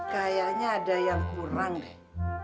kayaknya ada yang kurang deh